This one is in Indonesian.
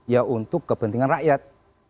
ya untuk kepentingan rakyat